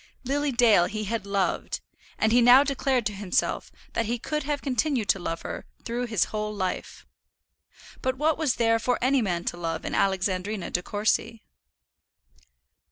Lily Dale he had loved; and he now declared to himself that he could have continued to love her through his whole life. But what was there for any man to love in Alexandrina De Courcy?